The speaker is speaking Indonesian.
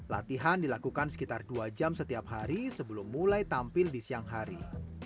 latihan dilakukan sekitar dua jam setiap hari sebelum mulai tampil di siang hari